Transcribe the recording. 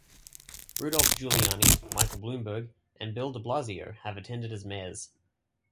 Rudolph Giuliani, Michael Bloomberg, and Bill DeBlasio have attended as mayors.